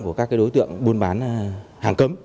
của các đối tượng buôn bán hàng cấm